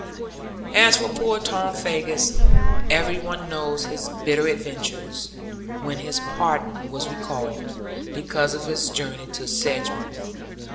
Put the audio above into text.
As for poor Tom Faggus, every one knows his bitter adventures, when his pardon was recalled, because of his journey to Sedgemoor.